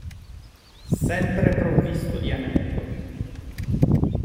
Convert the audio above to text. Sempre provvisto di anello.